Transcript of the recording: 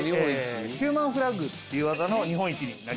ヒューマンフラッグっていう技の日本一になりました。